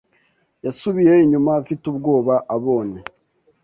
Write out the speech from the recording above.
Yasubiye inyuma afite ubwoba abonye